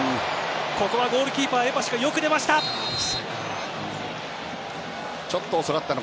ゴールキーパーのエパシがよく出ました！